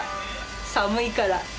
寒いから。